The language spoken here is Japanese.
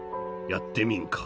やってみんか？